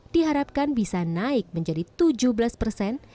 diharapkan bisa naik menjadi tujuh belas persen